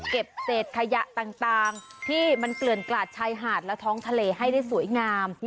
เก็บเศษขยะต่างที่มันเกลื่อนกลาดชายหาดและท้องทะเลให้ได้สวยงาม